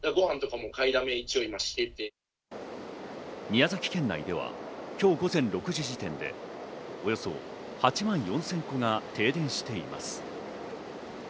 宮崎県内では今日午前６時時点でおよそ８万４０００戸が停電しています。